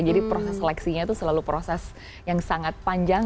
jadi proses seleksinya itu selalu proses yang sangat panjang